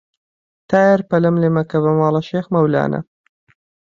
تایر پەلەم لێ مەکە بە ماڵە شێخ مەولانە